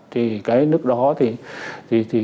thì cái lúc đó thì